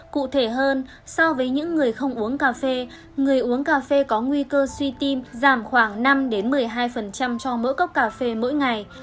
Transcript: cụ thể hơn so với những người không uống cà phê người uống cà phê có nguy cơ suy tim giảm khoảng năm một mươi hai cho mỡ cốc cà phê mỗi ngày